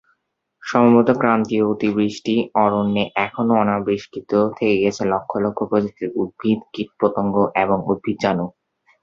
সম্ভবত ক্রান্তীয় অতিবৃষ্টি অরণ্যে এখনও অনাবিষ্কৃত থেকে গেছে লক্ষ লক্ষ প্রজাতির উদ্ভিদ, কীটপতঙ্গ এবং উদ্ভিজ্জাণু।